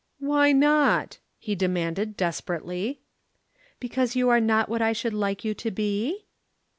"Why not?" he demanded desperately. "Because you are not what I should like you to be?"